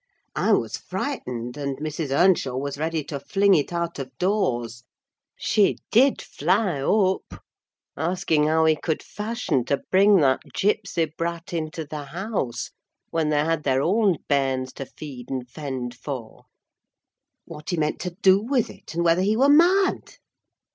I was frightened, and Mrs. Earnshaw was ready to fling it out of doors: she did fly up, asking how he could fashion to bring that gipsy brat into the house, when they had their own bairns to feed and fend for? What he meant to do with it, and whether he were mad?